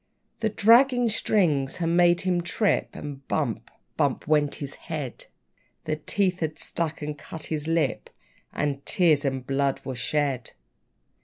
The dragging string had made him trip, And bump! bump! went his head; The teeth had struck and cut his lip, And tears and blood were shed.